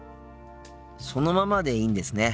そのままでいいんですね。